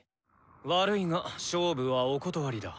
悪いが勝負はお断りだ。